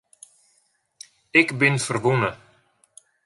Ik bin ferwûne.